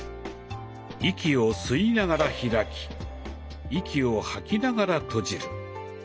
息を吸いながら開き息を吐きながら閉じる。